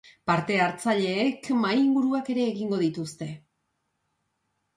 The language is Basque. Parte-hartzaileek mahai-inguruak ere egingo dituzte.